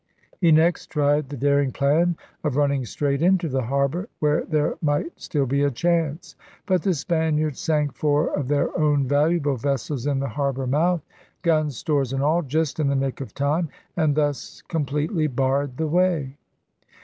He next tried the daring plan of run ning straight into the harbor, where there might still be a chance. But the Spaniards sank four of their own valuable vessels in the harbor mouth — guns, stores, and all — just in the nick of time, and thus completely barred the way.